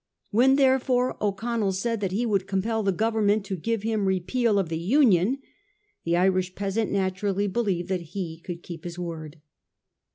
When, therefore, O'Connell said that he would compel the Government to give him repeal of the Union, the Irish peasant naturally believed that he could keep his word.